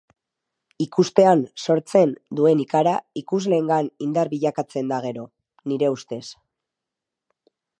Ikustean sortzen duen ikara ikusleengan indar bilakatzen da gero, nire ustez.